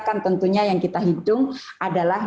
kan tentunya yang kita hitung adalah